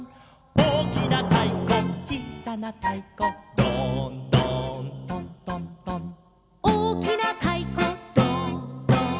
「おおきなたいこちいさなたいこ」「ドーンドーントントントン」「おおきなたいこドーンドーン」